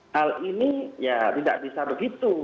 hal ini ya tidak bisa begitu